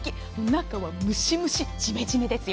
中はムシムシ、ジメジメです。